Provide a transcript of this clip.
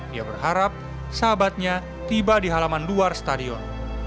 dia berharap sahabatnya tiba di halaman luar stadion